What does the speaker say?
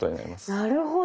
なるほど。